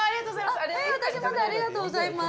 ありがとうございます！